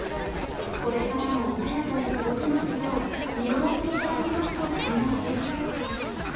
これからも穏やかに過ごせますよう、見守っていただけますと幸いです。